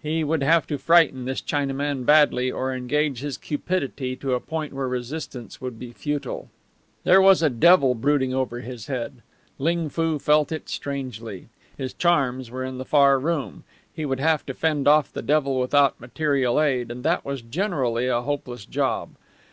He would have to frighten this Chinaman badly, or engage his cupidity to a point where resistance would be futile. There was a devil brooding over his head. Ling Foo felt it strangely. His charms were in the far room. He would have to fend off the devil without material aid, and that was generally a hopeless job.